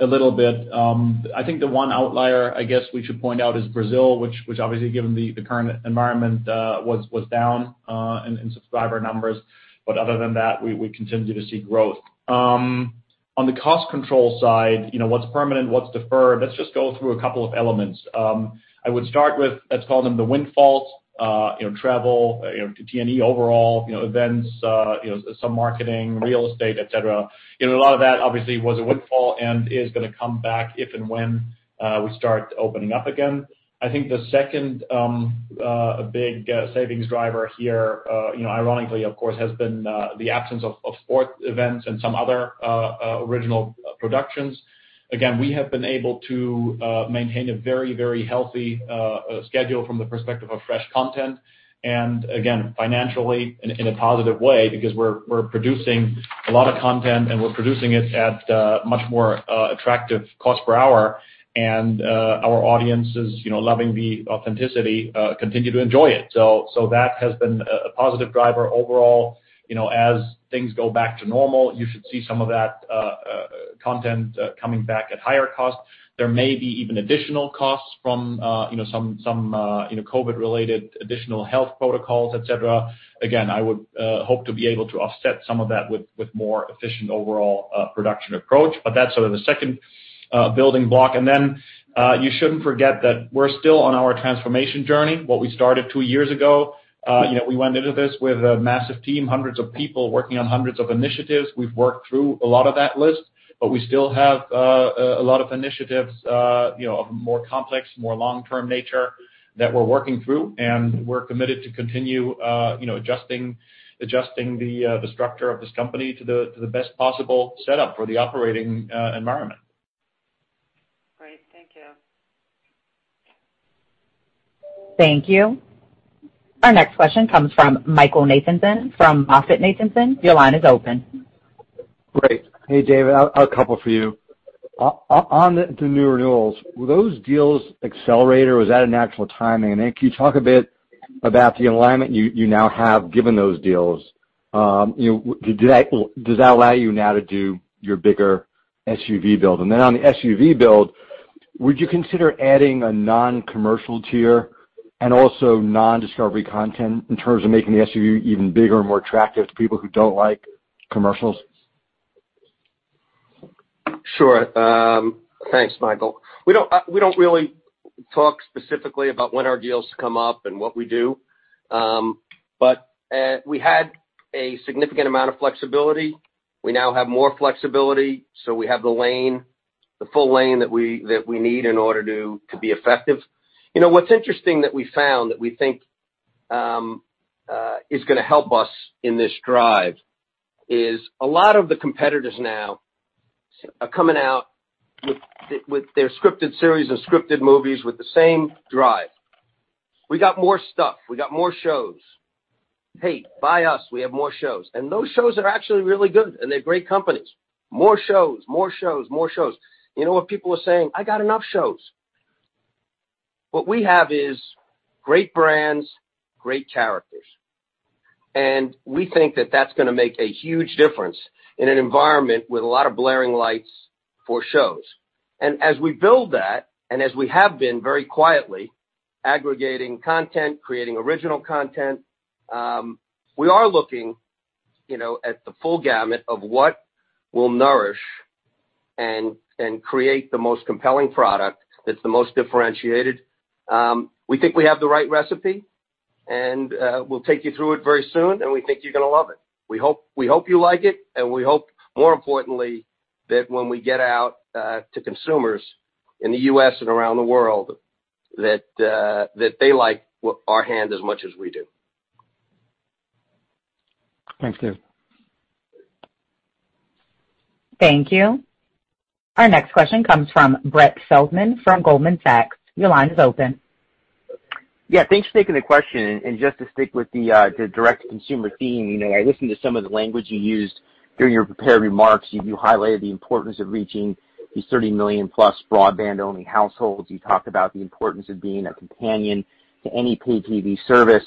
Speaker 4: a little bit. I think the one outlier, I guess, we should point out is Brazil, which obviously given the current environment, was down in subscriber numbers. But other than that, we continue to see growth. On the cost control side, what's permanent, what's deferred? Let's just go through a couple of elements. I would start with, let's call them the windfalls. Travel, T&E overall, events, some marketing, real estate, et cetera. A lot of that obviously was a windfall and is going to come back if and when we start opening up again. I think the second big savings driver here, ironically of course, has been the absence of sports events and some other original productions. We have been able to maintain a very healthy schedule from the perspective of fresh content, and again, financially in a positive way because we're producing a lot of content and we're producing it at a much more attractive cost per hour. Our audience is loving the authenticity, continue to enjoy it. That has been a positive driver overall. As things go back to normal, you should see some of that content coming back at higher cost. There may be even additional costs from some COVID-19-related additional health protocols, et cetera. I would hope to be able to offset some of that with more efficient overall production approach. That's sort of the second building block. Then, you shouldn't forget that we're still on our transformation journey, what we started two years ago. We went into this with a massive team, hundreds of people working on hundreds of initiatives. We've worked through a lot of that list, but we still have a lot of initiatives of a more complex, more long-term nature that we're working through, and we're committed to continue adjusting the structure of this company to the best possible setup for the operating environment.
Speaker 7: Great. Thank you.
Speaker 1: Thank you. Our next question comes from Michael Nathanson from MoffettNathanson. Your line is open.
Speaker 8: Great. Hey, David, a couple for you. On the new renewals, were those deals accelerated or was that a natural timing? Can you talk a bit about the alignment you now have given those deals? Does that allow you now to do your bigger SVOD build? On the SVOD build, would you consider adding a non-commercial tier and also non-Discovery content in terms of making the SVOD even bigger and more attractive to people who don't like commercials?
Speaker 3: Sure. Thanks, Michael. We don't really talk specifically about when our deals come up and what we do. But we had a significant amount of flexibility. We now have more flexibility, we have the lane, the full lane that we need in order to be effective. What's interesting that we found that we think is going to help us in this drive is a lot of the competitors now are coming out with their scripted series or scripted movies with the same drive. We got more stuff. We got more shows. Hey, buy us, we have more shows. Those shows are actually really good, and they're great companies. More shows. You know what people are saying? I got enough shows. What we have is great brands, great characters. We think that that's going to make a huge difference in an environment with a lot of blaring lights for shows. As we build that, and as we have been very quietly aggregating content, creating original content, we are looking at the full gamut of what will nourish and create the most compelling product that's the most differentiated. We think we have the right recipe, and we'll take you through it very soon, and we think you're going to love it. We hope you like it, and we hope, more importantly, that when we get out to consumers in the U.S. and around the world, that they like our hand as much as we do.
Speaker 8: Thanks, David.
Speaker 1: Thank you. Our next question comes from Brett Feldman from Goldman Sachs. Your line is open.
Speaker 9: Yeah. Thanks for taking the question. Just to stick with the direct consumer theme. I listened to some of the language you used during your prepared remarks. You highlighted the importance of reaching these 30 million-plus broadband-only households. You talked about the importance of being a companion to any pay TV service.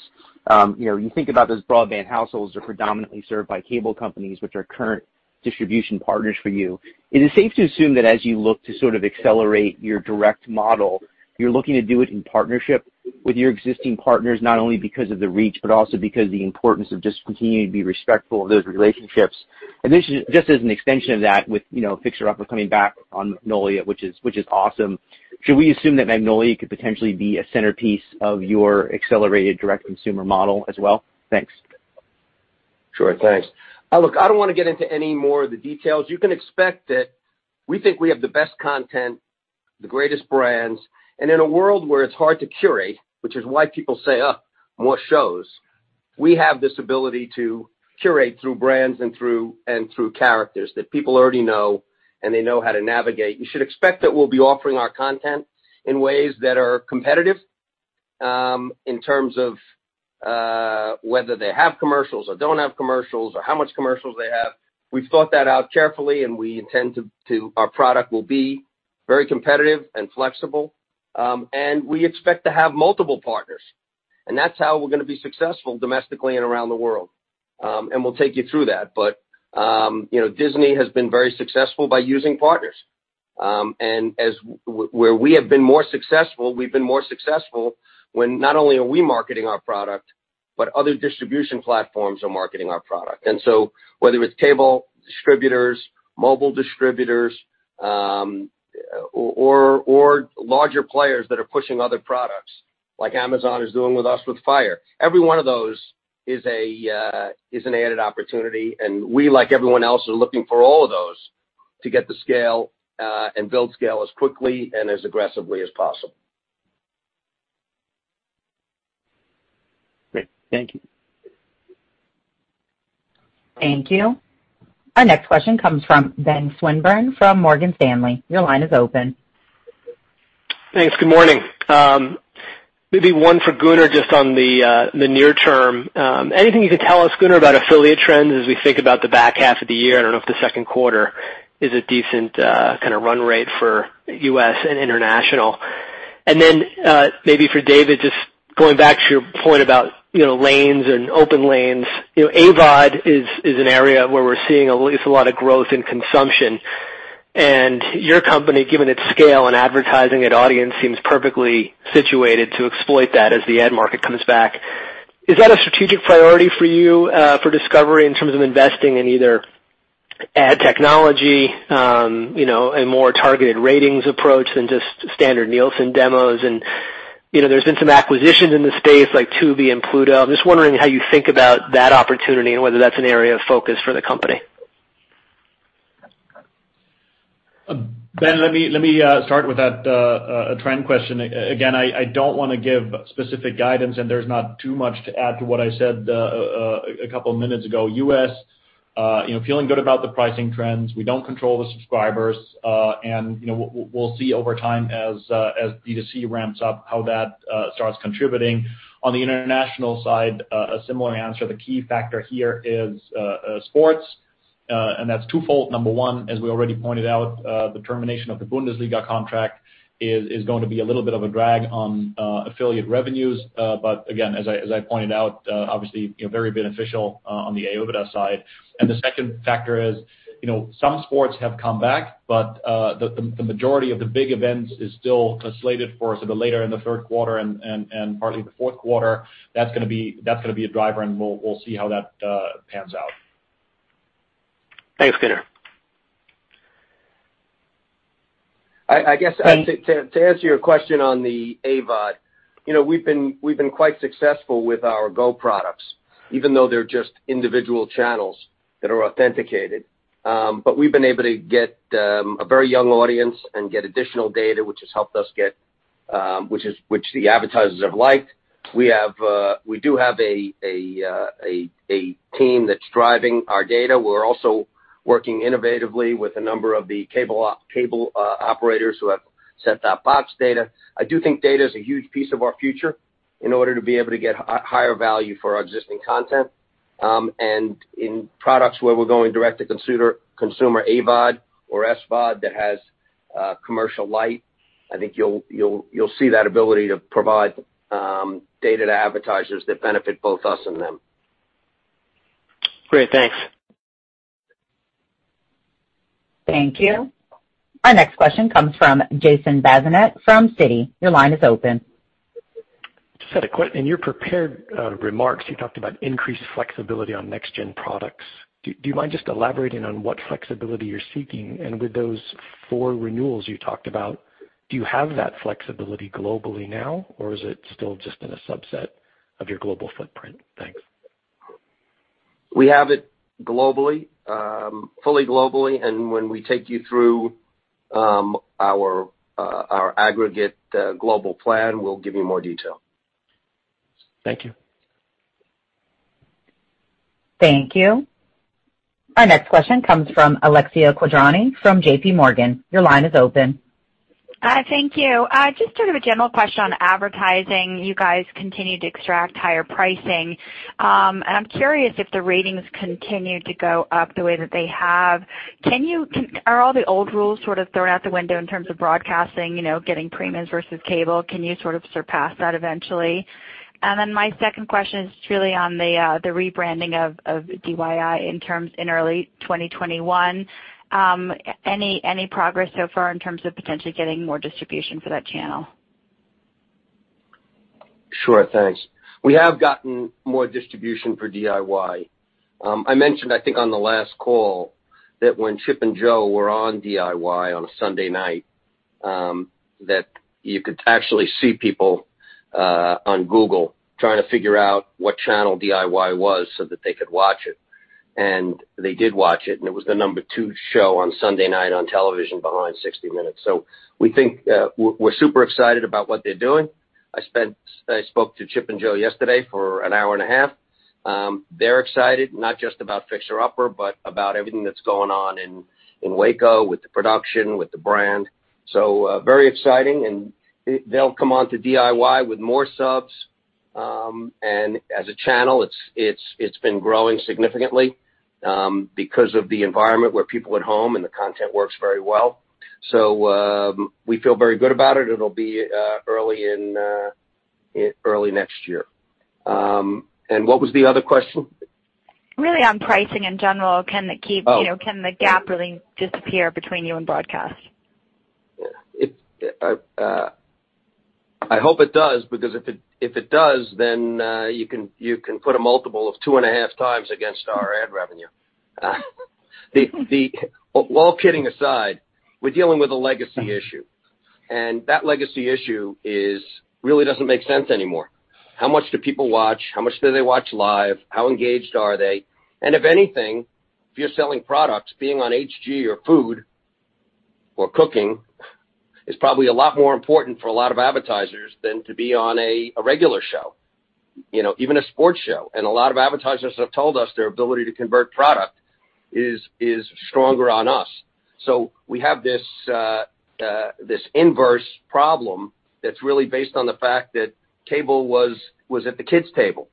Speaker 9: You think about those broadband households are predominantly served by cable companies, which are current distribution partners for you. Is it safe to assume that as you look to sort of accelerate your direct model, you're looking to do it in partnership with your existing partners, not only because of the reach, but also because of the importance of just continuing to be respectful of those relationships? This is just as an extension of that with Fixer Upper coming back on Magnolia, which is awesome. Should we assume that Magnolia could potentially be a centerpiece of your accelerated direct consumer model as well? Thanks.
Speaker 3: Sure, thanks. Look, I don't want to get into any more of the details. You can expect that we think we have the best content, the greatest brands. In a world where it's hard to curate, which is why people say, "Ugh, more shows," we have this ability to curate through brands and through characters that people already know, and they know how to navigate. You should expect that we'll be offering our content in ways that are competitive, in terms of whether they have commercials or don't have commercials or how much commercials they have. We've thought that out carefully, and we intend our product will be very competitive and flexible. We expect to have multiple partners. That's how we're going to be successful domestically and around the world. We'll take you through that. Disney has been very successful by using partners. Where we have been more successful, we've been more successful when not only are we marketing our product, but other distribution platforms are marketing our product. Whether it's cable distributors, mobile distributors, or larger players that are pushing other products, like Amazon is doing with us with Fire. Every one of those is an added opportunity, and we, like everyone else, are looking for all of those to get the scale, and build scale as quickly and as aggressively as possible.
Speaker 9: Great. Thank you.
Speaker 1: Thank you. Our next question comes from Benjamin Swinburne from Morgan Stanley. Your line is open.
Speaker 10: Thanks. Good morning. Maybe one for Gunnar just on the near term. Anything you could tell us, Gunnar, about affiliate trends as we think about the back half of the year? I don't know if the second quarter is a decent run rate for U.S. and international. Then maybe for David, just going back to your point about lanes and open lanes. AVOD is an area where we're seeing at least a lot of growth in consumption, and your company, given its scale and advertising and audience, seems perfectly situated to exploit that as the ad market comes back. Is that a strategic priority for you for Discovery in terms of investing in either ad technology, and more targeted ratings approach than just standard Nielsen demos? There's been some acquisitions in the space like Tubi and Pluto. I'm just wondering how you think about that opportunity and whether that's an area of focus for the company?
Speaker 4: Ben, let me start with that trend question. Again, I don't want to give specific guidance, there's not too much to add to what I said a couple of minutes ago. U.S., feeling good about the pricing trends. We don't control the subscribers. We'll see over time as D2C ramps up how that starts contributing. On the international side, a similar answer. The key factor here is sports, and that's twofold. Number one, as we already pointed out, the termination of the Bundesliga contract is going to be a little bit of a drag on affiliate revenues. But again, as I pointed out, obviously very beneficial on the AVOD side. The second factor is some sports have come back, but the majority of the big events is still slated for us a bit later in the third quarter and partly the fourth quarter. That's going to be a driver, and we'll see how that pans out.
Speaker 10: Thanks, Gunnar.
Speaker 3: I guess to answer your question on the AVOD. We've been quite successful with our GO products, even though they're just individual channels that are authenticated. We've been able to get a very young audience and get additional data, which the advertisers have liked. We do have a team that's driving our data. We're also working innovatively with a number of the cable operators who have set-top box data. I do think data is a huge piece of our future in order to be able to get higher value for our existing content. In products where we're going direct to consumer AVOD or SVOD that has commercial-lite, I think you'll see that ability to provide data to advertisers that benefit both us and them.
Speaker 10: Great. Thanks.
Speaker 1: Thank you. Our next question comes from Jason Bazinet from Citi. Your line is open.
Speaker 11: Just had a question. In your prepared remarks, you talked about increased flexibility on next-gen products. Do you mind just elaborating on what flexibility you're seeking? With those four renewals you talked about, do you have that flexibility globally now, or is it still just in a subset of your global footprint? Thanks.
Speaker 3: We have it globally. Fully globally. When we take you through our aggregate global plan, we'll give you more detail.
Speaker 11: Thank you.
Speaker 1: Thank you. Our next question comes from Alexia Quadrani from J.P. Morgan. Your line is open.
Speaker 12: Hi, thank you. Just sort of a general question on advertising. You guys continue to extract higher pricing. I'm curious if the ratings continue to go up the way that they have. Are all the old rules sort of thrown out the window in terms of broadcasting, getting premiums versus cable? Can you sort of surpass that eventually? Then, my second question is truly on the rebranding of DIY in terms in early 2021. Any progress so far in terms of potentially getting more distribution for that channel?
Speaker 3: Sure. Thanks. We have gotten more distribution for DIY. I mentioned, I think, on the last call that when Chip and Jo were on DIY on a Sunday night, that you could actually see people on Google trying to figure out what channel DIY was so that they could watch it. They did watch it, and it was the number two show on Sunday night on television behind "60 Minutes." We're super excited about what they're doing. I spoke to Chip and Jo yesterday for an hour and a half. They're excited, not just about "Fixer Upper," but about everything that's going on in Waco with the production, with the brand. Very exciting, and they'll come onto DIY with more subs. As a channel, it's been growing significantly, because of the environment where people are at home, and the content works very well. So, we feel very good about it. It'll be early next year. What was the other question?
Speaker 12: Really on pricing in general.
Speaker 3: Oh.
Speaker 12: Can the gap really disappear between you and broadcast?
Speaker 3: I hope it does because if it does, then you can put a multiple of 2.5x against our ad revenue. Well, kidding aside, we're dealing with a legacy issue, and that legacy issue really doesn't make sense anymore. How much do people watch? How much do they watch live? How engaged are they? If anything, if you're selling products, being on HGTV or Food Network or Cooking is probably a lot more important for a lot of advertisers than to be on a regular show, even a sports show. A lot of advertisers have told us their ability to convert product is stronger on us. We have this inverse problem that's really based on the fact that cable was at the kids' table.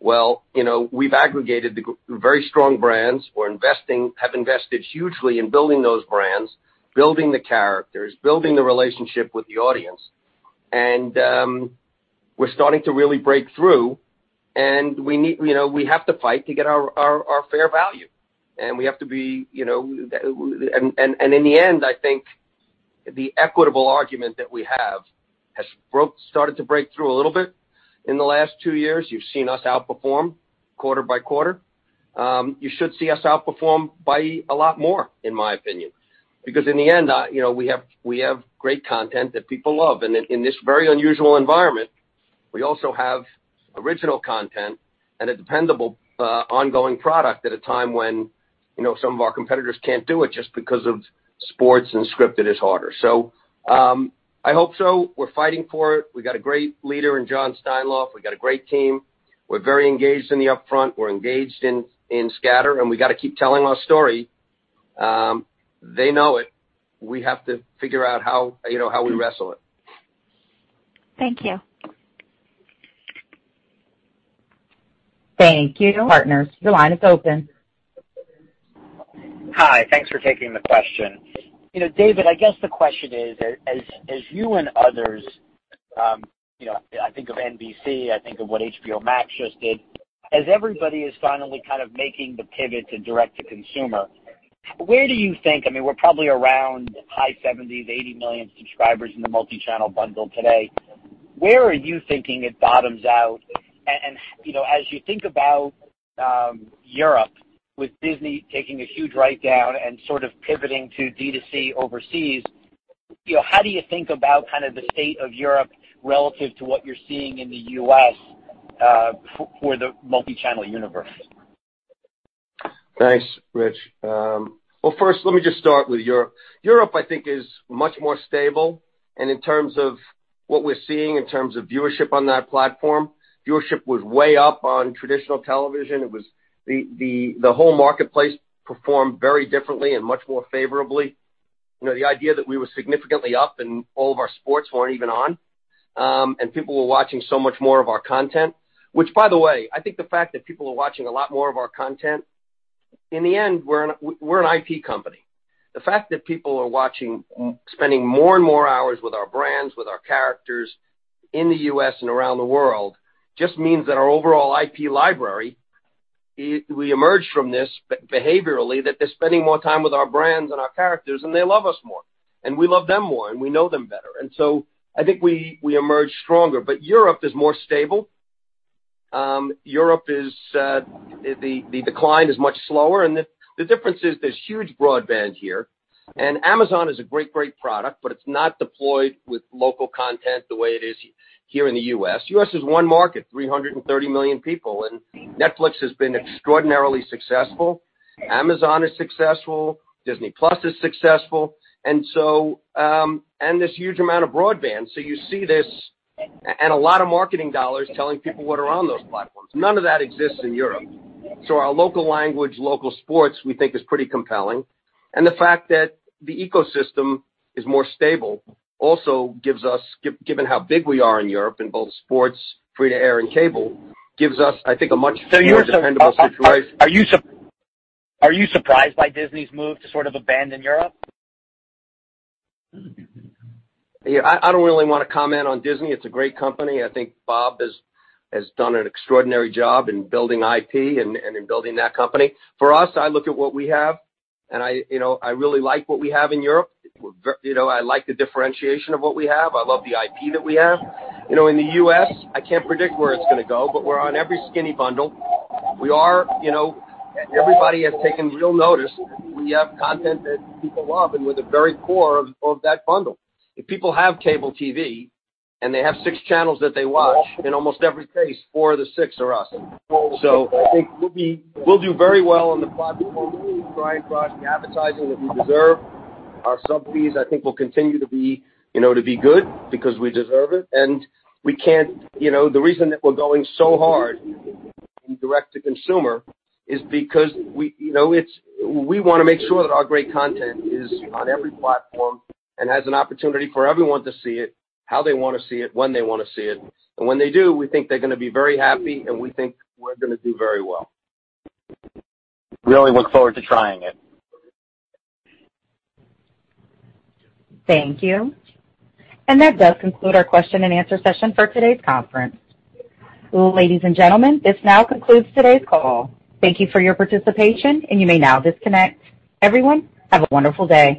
Speaker 3: Well, we've aggregated very strong brands. We have invested hugely in building those brands, building the characters, building the relationship with the audience, and we're starting to really break through, and we have to fight to get our fair value. In the end, I think the equitable argument that we have has started to break through a little bit in the last two years. You've seen us outperform quarter by quarter. You should see us outperform by a lot more, in my opinion. In the end, we have great content that people love. In this very unusual environment, we also have original content and a dependable, ongoing product at a time when some of our competitors can't do it just because of sports and scripted is harder. I hope so. We're fighting for it. We got a great leader in Jon Steinlauf. We got a great team. We're very engaged in the upfront. We're engaged in scatter, and we got to keep telling our story. They know it. We have to figure out how we wrestle it.
Speaker 12: Thank you.
Speaker 1: Thank you. Partners, your line is open.
Speaker 13: Hi. Thanks for taking the question. David, I guess the question is, as you and others, I think of NBC, I think of what HBO Max just did. As everybody is finally kind of making the pivot to direct to consumer, where do you think, I mean, we're probably around high 70s million, 80 million subscribers in the multichannel bundle today. Where are you thinking it bottoms out? As you think about Europe, with Disney taking a huge write-down and sort of pivoting to D2C overseas. How do you think about the state of Europe relative to what you're seeing in the U.S. for the multi-channel universe?
Speaker 3: Thanks, Rich. First, let me just start with Europe. Europe, I think, is much more stable, and in terms of what we're seeing in terms of viewership on that platform, viewership was way up on traditional television. The whole marketplace performed very differently and much more favorably. The idea that we were significantly up and all of our sports weren't even on, and people were watching so much more of our content, which by the way, I think the fact that people are watching a lot more of our content, in the end, we're an IP company. The fact that people are spending more and more hours with our brands, with our characters in the U.S. and around the world just means that our overall IP library, we emerge from this behaviorally, that they're spending more time with our brands and our characters, and they love us more, and we love them more, and we know them better. I think we emerge stronger. Europe is more stable. Europe, the decline is much slower, and the difference is there's huge broadband here, and Amazon is a great product, but it's not deployed with local content the way it is here in the U.S. U.S. is one market, 330 million people, and Netflix has been extraordinarily successful. Amazon is successful, Disney+ is successful, and so this huge amount of broadband. You see this and a lot of marketing dollars telling people what are on those platforms. None of that exists in Europe. Our local language, local sports, we think is pretty compelling. The fact that the ecosystem is more stable also gives us, given how big we are in Europe in both sports, free-to-air, and cable, gives us, I think, a much more dependable situation.
Speaker 13: Are you surprised by Disney's move to sort of abandon Europe?
Speaker 3: I don't really want to comment on Disney. It's a great company. I think Bob has done an extraordinary job in building IP and in building that company. For us, I look at what we have, and I really like what we have in Europe. I like the differentiation of what we have. I love the IP that we have. In the U.S., I can't predict where it's going to go, we're on every skinny bundle. Everybody has taken real notice. We have content that people love, we're the very core of that bundle. If people have cable TV and they have six channels that they watch, in almost every case, four of the six are us. I think we'll do very well on the product front. We'll drive the advertising that we deserve. Our sub fees, I think, will continue to be good because we deserve it. The reason that we're going so hard in direct-to-consumer is because we want to make sure that our great content is on every platform and has an opportunity for everyone to see it how they want to see it, when they want to see it. When they do, we think they're going to be very happy, and we think we're going to do very well.
Speaker 13: We really look forward to trying it.
Speaker 1: Thank you. That does conclude our question and answer session for today's conference. Ladies and gentlemen, this now concludes today's call. Thank you for your participation, and you may now disconnect. Everyone, have a wonderful day.